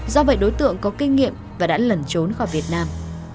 do vậy đối tượng có kinh nghiệm và đã lẩn trốn khỏi việt nam